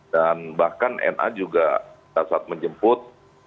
dan bahkan n a juga saat menjemput